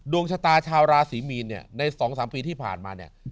ดวงชะตาชาวราศรีมีนเนี่ยใน๒๓ปีที่ผ่านมาเนี่ย